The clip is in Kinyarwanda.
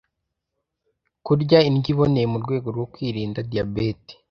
kurya indyo iboneye mu rwego rwo kwirinda Diabete